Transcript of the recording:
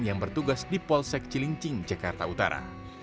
yang bertugas di polsek cilincing jakarta utara